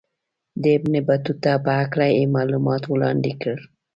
د ابن بطوطه په هکله یې معلومات وړاندې کړل.